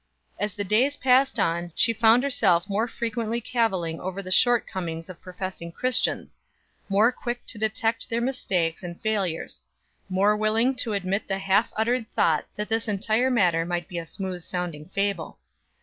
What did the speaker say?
As the days passed on, she found herself more frequently caviling over the shortcomings of professing Christians; more quick to detect their mistakes and failures; more willing to admit the half uttered thought that this entire matter might be a smooth sounding fable.